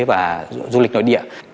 và du lịch nội địa